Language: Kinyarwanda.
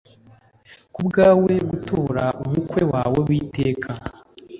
Kubwawe gutora umukwe wawe w'iteka